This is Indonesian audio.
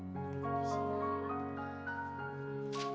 terima kasih yang banyak bertahan